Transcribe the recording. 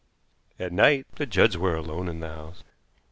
At night the Judds were alone in the house.